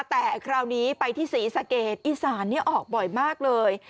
แต่คราวนี้ไปที่ศรีสะเกดอีสานออกบ่อยมากเลย